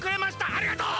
ありがとう！